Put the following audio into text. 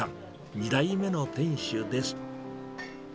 ２代目の店主です。